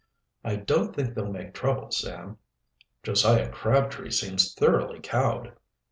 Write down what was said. "I don't think they'll make trouble, Sam." "Josiah Crabtree seems thoroughly cowed."